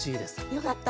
よかった。